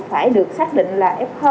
phải được xác định là f